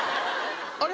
あれ？